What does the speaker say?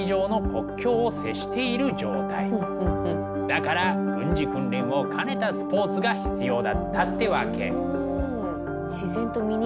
だから軍事訓練を兼ねたスポーツが必要だったってわけ。